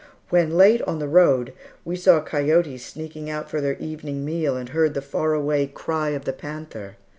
When late on the road, we saw coyotes sneaking out for their evening meal and heard the far away cry of the panther.